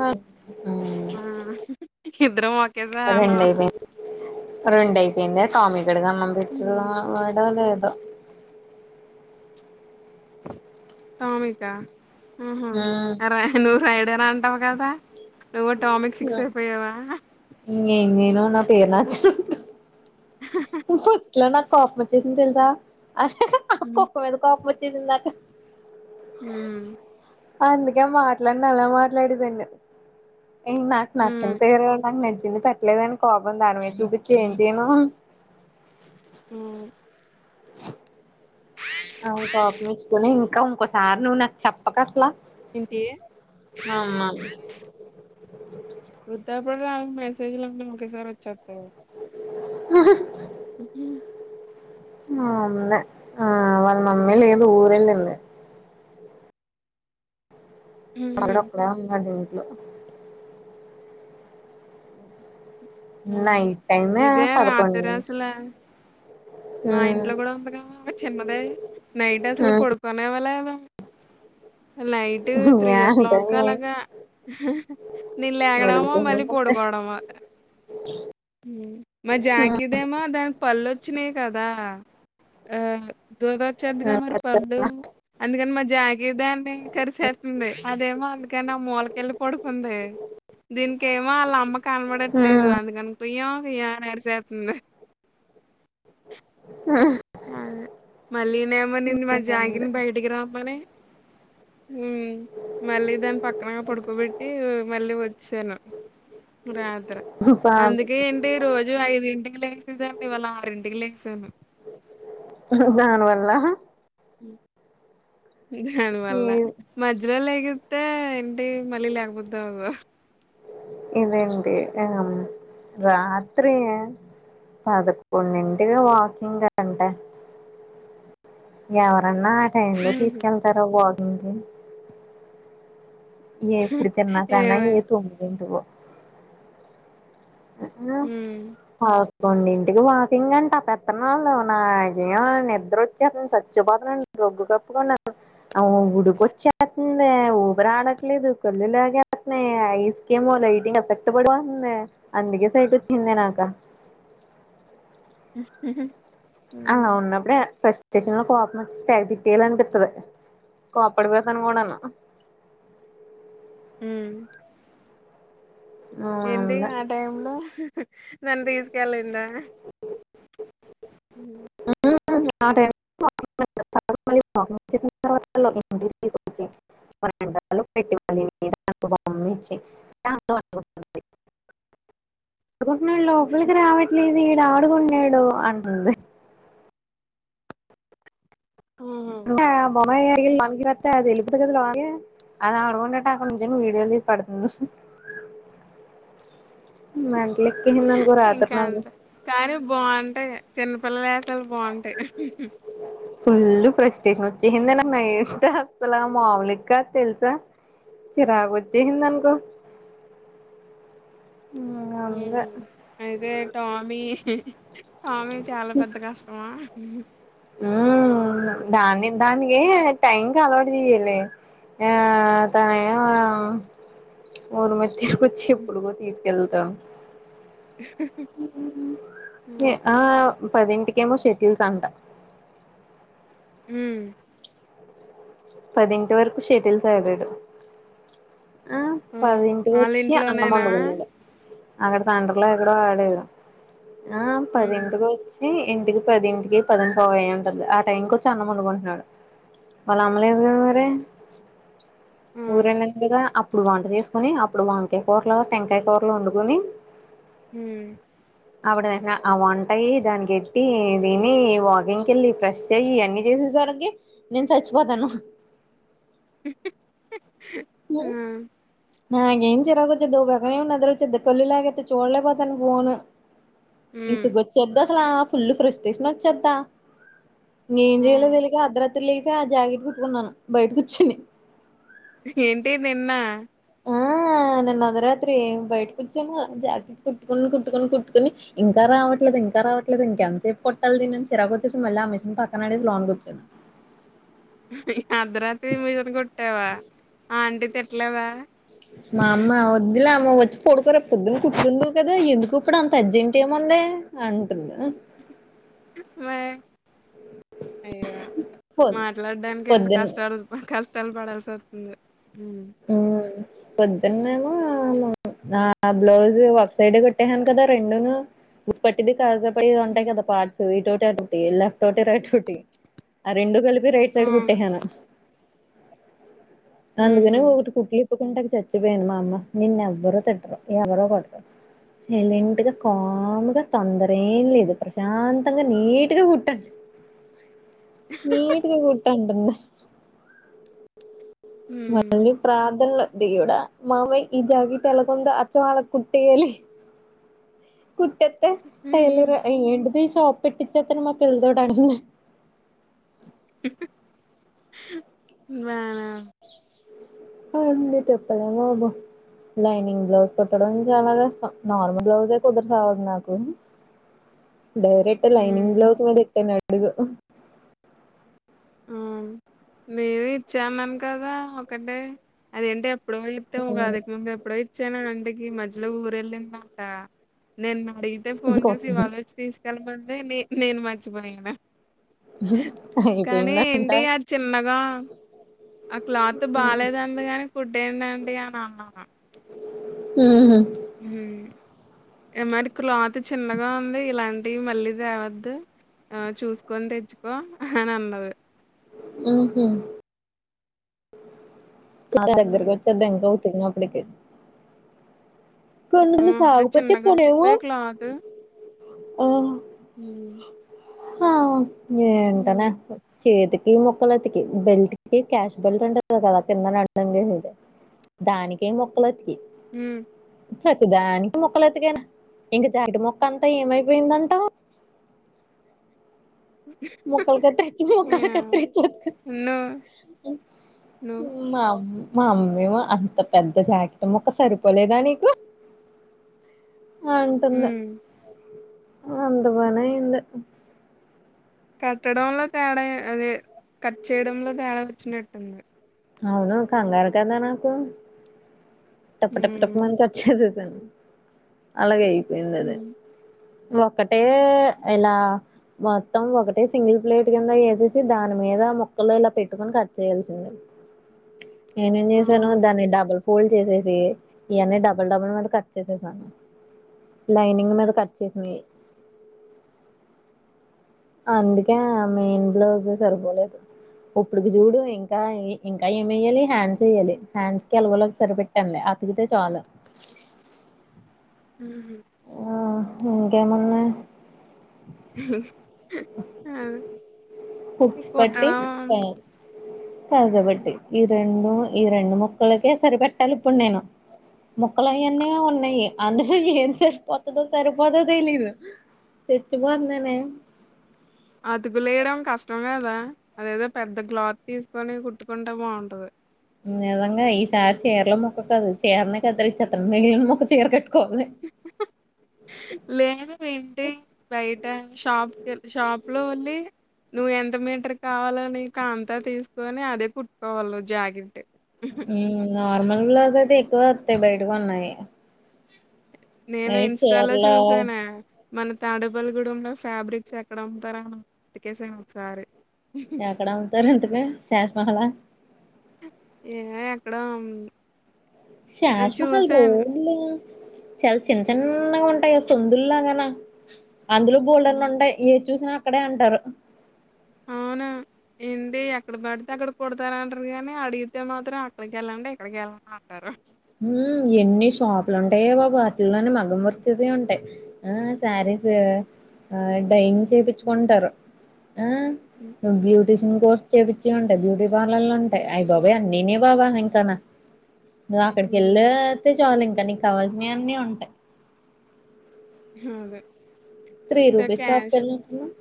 ఆ. ఆ ఇద్దరం ఒకేసారి అనామ. రెండు అయిపోయింది టామి. గడగామంపట్. హ్మ్. ఉందో లేదో. టాపిక్ హా. ఉహు అరే నువ్వు రైడర్ అన. అంటావు కదా. నువ్వో టామిక్ ఫిక్స్ అయిపోయావా. నువ్ నా పేరు నచ్చినట్టు ఉహుస్ లనక్ కోపం ఒచ్చేసి తెల్సా. కుక్క మీద కోపం వచ్చి ఇందక ఊమ్ అందుకే మాట్లాడిన అలా మాట్లాడి నిను ఏ నాకు నచ్చిన్ హ్మ్ పేరు నాకు నిజ కింది పెట్టలేదని కోపం దాని మీద జూపించి ఏం చేయను. ఊమ్ దిద్. అవును పాపం మెచ్చుకొని ఇంకా ఇంకోసారి నువ్వు నాకు చెప్పక అసలా. ఏంటి. అమ్మ ఉత్త అప్పుడు రాం. మెసేజ్లు అంటే ఒకేసారి వచ్చేతయి. హు హు ఊమ్ అవునండి ఆ వాళ్ళ మమ్మీ లేదు ఊరు ఎళ్ళింది. హుహు. వాడు ఒక్కడే ఉన్నడు ఇం ట్లో హ్మ్ నైట్ టైమే ఇదే పదకొం రాత్రి అసలు మా ఇంట్లో కూడా ఉంది కదా ఒక చిన్నదే నైట్ అసలు పడుకొనేవ్వలేదు నైట్ ఉమ్ త్రీ యా ఓ అంటే క్లాక్ అలాగా హ హ నేను లేగడమో వెలుగుతూనే మళ్ళీ ఉంటాయి పడుకోవడమా మా ఉమ్ జాకెద ఏమో దానికి పళ్ళు చి నేక్ కదా ఆ దోదచ్చేద్దిగా ఉమ్ మరి పళ్ళు అందుకని మా జాగదాని కరిసేత్ ఉంది అదేమో అందుకని ఆ మూలకెళ్ళి పడుకుంది దీనికిమో ఆళ్లమ్మక్ కనబడట్లేదు అందుకనుపియ్యవ్ కుయ అని అరుసాతుంది అదే మళ్ళీనేమో నిన మా జాగిని ఉమ్ బయటికి రామ్మని మ్మ్ మళ్ళీ దాని పక్కనే పడుకోబెట్టి మళ్ళీ వచ్ సేను రాద్ తెర అందుకే బాగుంది ఏంటి రోజు ఐదు ఇన్ ఇంగ లేసేది అంటే వాళ్ళు ఆరు ఇంటికి లేసాను దాని వల్ల మ్మ్ ఈ దానివల్ల మధ్యలో [unintelligible] ఇత్తే ఎంటి మళ్ళీ లేకపోతే [unintelligible] ఇదండి మ్మ్ ఇంగ రాత్రి పదకొండింటిగా వాకింగ్ కదంట ఎవరన్నా టైమ్ లో హుహు. తీసుకెళ్తారు వా ఉహ్మ ఏప్పుడితేన్నా కానా ఏమే ఏ తోంగంటవ హ్మ్. అవ్ రోండింటికి వాకింగ్ అంట పెత్తనా వాళ్ళు నాకేమో నిద్ర వచ్చేస్తుంది చచ్చిపోతునండి రొగ్గు కప్పుకున్నా మ్మ్ ఉడికొచ్చేతుంది ఊబరి ఆడట్లేదు కొళ్ళు లేకేతున్నాయి ఐస్క ఏమో హైటింగ్ ఎఫెక్ట్ పడిపోంది అందుకే సైట్ వచ్చింది నాకు ఆ హ్మ్. ఉన్నా అప్పుడే ఫస్ట్ అశంలో కోపంచ్చ తగ తిట్టేయాలి అనిపిస్తుంది కోపడి పోతను కూడాను హ్మ్ ఏంటి ఆ టైం లో నన్ను తీసుకెళ్లిందా హ్మ్ [inaudible] [inaudible] ఇకొ లోపలికి రావట్లేదు వాడు ఆడు కుంటునడు అంటుంది హుహు. బాబ అమ్మాయి అడి మనకి వస్తతే అది వెలిపోతు కదా లోగే అది ఆడుకుంటట్టు అక్కడ నుంచం వీడియోలు తీసి పడుతుంది ఇంకా అంతే కానీ బంటై చిన్ పిల్ తల్ బంటై ఫుల్లు ప్రశ్ స్టేషన్ వొచ్చేసిదే నాకు నైట్ అసలా మాములిగ కాద్ తెలుసా చిరాకు వచ్చేసింది అనుకో ఉమ్ అంతే అయితే టామి స్వామి చాలా పెద్ద కష్టమా హ్ హ్మ్ దాన్ని దానికి టైంకి అలవాటు చేయ్యాలి ఆ తనే ఊర్మితి చ్చి ఎప్పుడుకో తీ కెళ్త ఏ హ్మ్. ఆ పదింటికేమో షెటిల్స్ అంట హ్మ్. పదింటి వరకు షటిల్స్ ఆడాడు ఆ పదింటికి వచ్చి అన్నం ఆళ్ళింట్లోనేనా? వండుకున్నాడు అక్కడ సెండర్లో ఎక్కడో వాడేదు ఆ హుహు. పదింటికి వచ్ ఈ ఇంటికి పదింటికి పద [unintelligible] ఆ టైం కొచ్చి అన్నం వండుకుంటున్నాడు వాళ అమ్ మళ్ళీ ఏం చెయ్యాలి మరి ఆ! ఊర నిందిగా అప్ ఇప్పుడు వంట చేసుకుని అప్పుడు వంకాయ కూరలు టెంకాయ కూరలు వండుకొని హ్మ్ ఆవిడద ఆ వంటాయి దానినికి ఎట్టి దీని వాగింగ్కిళ్ళి ఫ్రెష్ అయి అన్ని చేసేసారికీ నేనుచ్చ పోతను ఆ నాకేం జరం వచ్చేద్ [unintelligible] కళ్ళు లాగేతది చూడలేపోతాన ఫోను ఇసు హ్మ్. గొచ్చేద్ధ సలా ఫుల్లు ఫ్రస్టేషన్ వచ్చేత ఇంగ ఏం చేయలో హ్మ్. తెలిక అద్రరా తెలీక ఆ జాకెట్ పెట్టుకున్నాను బయట కూర్చుని ఏంటి నిన్న ఆ నేను అదరాత్రి బయటకు వచ్చాను జాకెట్ కుట్టుకొని కుట్టుకొని కుట్టుకుని ఇంకా రావట్లేదు ఇంకా రావట్లేదు ఇంకెంతసేపు కొట్టాలి దీని అని చిరాకు వచ్చేసి మళ్ళీ ఆ మిషన్ పక్కన అడేసి లోన్కి వచ్చాను అర్థరాత్రి మిషన్ కుట్టవ ఆ ఆంటీ తిట్లేదా ఇలా అమ్మ వచ్చి పడుకోర పొద్దున్న కుట్టుకుందువు కదా ఎందుకు ఇప్పుడు అంత అర్జెంట్ ఏముంది అంటుంది మై అయ్యో పొద్ మాట్లాడడానికి ఎంత పొద్దున్న కష్టాలు బ కస్ స్తల్ పడాల్సివత్తుంది ఊ పొద్దున్న [unintelligible] ఆ బ్లౌజ్ అప్ సైడ్ కొట్టా [inaudible] కదా రెండును సిపట్టింది కాజా పై ఉంటాయి హ్మ్. కదా పార్ట్స్ [unintelligible] లెఫ్ట్ ఓటి రైట్ ఓటి [unintelligible] ఆ రెండు కలిపి ఈ రైట్ ఆ! సైడ్ కుట్టేహాను అందుగ ను హుహు. ఒకట్ కుట్లు ఇప్ తుకుంటకి చచ్చిపోయింది మా అమ్మ నిన్ ఎవ్వరు తిట్టరు ఎవరు కొట్రు సైలెంట్ గా కాముగా తొందర ఏం లేదు ప్రశాంతంగా నీట్గా కుట్టండి నీట్ గా కూట్టాంటున్న హ్మ్. మళ్ళీ ప్రార్థన్ దేవుడా మామయ్ ఈ జాకీట్ ఎలగ్ ఉందో అచ్చం అలగ్ కుట్టేయాలి కుట్టెత్తే హుహు. టైలర్ అ ఏంటిది షాప్ పెట్టిచ్చెత్తను మా పిల్తోట్ అంటుంది [unintelligible] వావ్ ఆ అండి చెప్పలేం బాబు లైనింగ్ బ్లౌజ్ కుట్టడం చాలా కష్టం నార్మల్ బ్లౌజే కుదరసావదు నాకు డైరెక్ట్ లైనింగ్ హ్మ్. బ్లౌస్ మీద్ ఎట్టన్ అడుగు ఆ నిది ఇచ్చా నన్ కదా ఒకటే అదెంటి ఎప్పుడో ఇత్తే ఓక్ అతేక్ ముంద్ ఎప్పుడో ఇచ్చాన నంటికి మజ్ ట్లూర్ వెళ్ళిందంట నిన్ అడిగితే ఫోన్ చేసి ఇవాలే వచ్చి తీస్ కల మంది ని నేను మర్చిపోయినా [unintelligible] కానీ ఏంటి అ చిన్నగా ఆ క్లాత్ బాలేదందిగాని కుట్టే యాండి ఆ హూ హుం మరి క్లాత్ చిన్నగా ఉంది ఇలాంటివి మళ్ళీ తేవద్దు ఆ చూసుకొని తెచ్చుకో అన్ అన్నది ఉ హుమ్ మా హ్మ్. దగ్గరక్ ఒచ్చే [unintelligible] తిన్నప్పుడ్కీ కొన్ న్న్నీ హ్మ్. అదే సాగుపోతే చిన్నగా కొన్నివ్వ ఉంది క్లాతు. ఆ హ్మ్. హ ఏంటనే ఉంది. చేతికి మొక్కలతికి బెల్ట్ కి క్యాష్ బెల్ట్ ఉంటంది కదా కింద న అడ్డంగా లేదు దానికి మొక్కల్ అతికి మ్ ప్రతిదానికి మొక్కలు అతికేనా ఇంక జాకిట్ మొక్క అంతా ఏమైపోయిందంటావు ముక్కలు కత్తిరిచ్చ ముక్కలు యాహ్! కత్తిరిచ్ నువ్వు నువ్వు మా మా వామ్మో అంత పెద్ద జాకెట్ ముక్క సరిపోలేదా నీకు ఆ ఉంటుంది గా హ్మ్. అంత పనయ్యిందే కట్టడంలో తేడా ఏ అదే కట్ చేయడంలో తేడా వచ్చినట్టు ఉంది అవును కంగారు కదా నాకు టప్పు టప్పు టప్పు హ్మ్ మని కట్ చేసేసాను అలగెయ్ పోయిందది లా క్కటే ఎలా మొత్తం ఒకటే సింగిల్ ప్లేట్ కింద ఏసేసి దాని మీద ముక్కలు ఇలా పెట్టుకొని కట్ చేయాల్సిందే. నేనేం చేశాను అవును దాన్ని డబుల్ ఫోల్డ్ చేసేస్ ది ఇయన్నీ డబుల్ డబుల్ మీద కట్ చేసేసాను లైనింగ్ మీద కట్ చేసినవి అందుకే ఆ మెయిన్ బ్లౌజు సరిపోలేదు ఇప్పుడుకి చూడు ఇంకా ఇంకా ఏం ౠయ్యాలి హ్యాండ్స్ ఎయ్యాలి హ్యాండ్స్ కి ఎలాగొలాగా సరిపెట్టాను లే అతికితే చాలు ఊ ఇంకేమున్నాయ్ ఆ హుక్స్ పట్టి పోయినాయ్ కాజా బట్టి ఈ రెండు ఈ రెండు ముక్కలకే సరిపెట్టాలి ఇప్పుడు నేను, ముక్కలు యవన్నీ ఉన్నాయి అందులో ఏం సరిపోతదో సరిపోదో తెలీదు సెచ్చిపోతున్నానే, అతుకులేయడం కష్ టం కదా అదేదో పెద్ద క్లాత్ తీసుకొని కుట్టుకుంటే బావుంటది నిజంగా ఈసారి చీరల ముక్క కాదు చీరనే కత్తిరిచ్చేతాను మిగిలిన ముక్క చీర కట్ లేదు ఏంటి బయట షాప్ కెల్ షాప్ లో వెల్లి. నువ్వు ఎంత మీటర్ కావలో నీ కాంతా తీసుకొని అదే కుట్టుకోవాల నువు జాకెట్ మ్ంగా నార్మల్ బ్లౌస్ అయితే ఎక్కువే వత్తయ్ బయటకొన్నయి నేను ఇన్స్టాలో చూసానే మన తాడపల్లిగూడెంలో ఫ్యాబ్రిక్స్ ఎక్కడ అమ్ముతారా వెతికేసాన్ ఒకసారి ఎక్కడ అమ్ముతారు ఇంతకి శా మహళ ఏవే ఎక్కడో షాష్మహల్ చూసాను రోడ్ల చాలా చిన్న చిన్నగా ఉంటాయి సందుల్లాగాన అందులో బోల్డన్ని ఉమ్, ఉంటాయి ఏది చూసినా క్కడే అంటారు అవునా ఏంటి ఎక్కడ పడితే అక్కడ కొడతారంటాది గాని అడిగితే మాత్రం అక్కడికి వెళ్ళండి ఇక్కడికి వెళ్ళండి అంటారు ఉమ్ ఎన్ని షాపులు ఉంటాయే బాబు వాటిలోనే మగం వర్క్ చేసేయి ఉంటాయి ఆ శారీస్ ఆ డయ్యింగ్ చేపిచ్చుకుంటారు ఆ ఉమ్, బ్యూటీషన్ కోర్స్ చెపిచెయ్ ఉంటాయి బ్యూటీ పార్లర్లు ఉంటాయి అయ్ బాబయ్ అన్నీనే బాబా ఇంకాను ఇళ్ళ ఉమ్, అయితే చాలి ఇంకా నీకు కావాల్సి ని అన్నీ ఉంటాయి హామ్ ఇ త్రీ ద రూపీస్ క్యాష్ షాప్‌కెళ్ళినట్టున్నావు.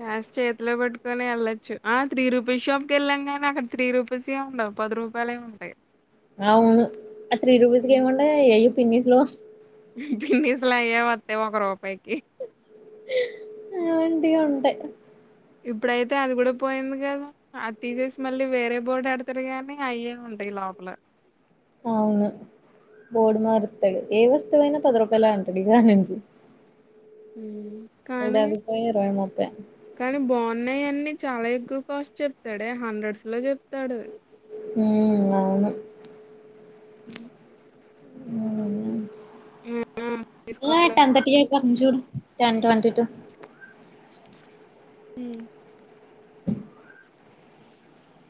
క్యాష్ చేతిలో పట్ కొని ఎళ్ళోచ్చు ఆ త్రీ రూపీస్ షాప్ కి వెళ్ళం గానీ అక్కడ త్రీ రూపీస్ ఏ ఉండవు పది రూపాయలే ఉంటాయి అవును ఆ త్రీ రూపీస్ కే ఉమ్. ముండయ్ ఏ పిన్నిస్లు పిన్నిస్లు అయే వత్తయి ఒక రూపాయికి అ వంటియే ఉంటయ్ ఇప్పుడైతే అది కూడా పోయింది కదా అది తీసేసి మళ్ళీ వేరే బోర్డు ఎడ్తారు కానీ అయే ఉంటాయి లోపల అవును బోర్డు మారుత్తడు ఏ వస్తువైనా పది రూపాయలే అంటాడు ఇవాళ్ళ నుంచి హమ్ ఇప్పుడు కానీ అది పోయి కానీ బాగున్నాయి అన్ని చాలా ఎక్కువ కాస్ట్ చెప్తాడే హండ్రెడ్స్ లో చెప్ తాడు హమ్ అవును హమ్ ఆ, ఏ తీసుకోలేదు టెన్ తట్టికైపో చూడు టెన్ ట్వంటి టు హమ్